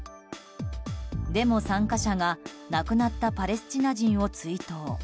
デモ参加者が亡くなったパレスチナ人を追悼。